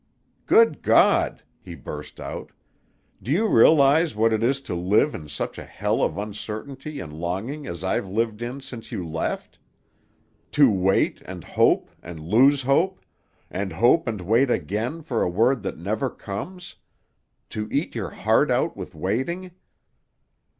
"Good God!" he burst out. "Do you realize what it is to live in such a hell of uncertainty and longing as I've lived in since you left; to wait, and hope, and lose hope, and hope and wait again for a word that never comes; to eat your heart out with waiting?"